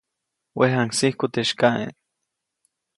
Wejaŋsiku teʼ sykaʼe.